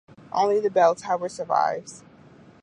Only the bell tower survives.